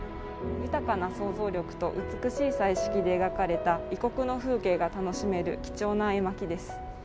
豊かな想像力と美しい彩色で描かれた異国の風景が楽しめる貴重な絵巻です。